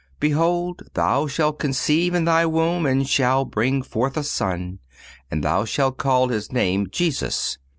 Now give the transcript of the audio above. Behold, thou shalt conceive in thy womb, and shalt bring forth a son, and thou shalt call his name Jesus....